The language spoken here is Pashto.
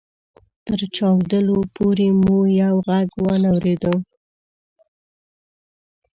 تر چاودلو پورې مو يې ږغ وانه اورېد.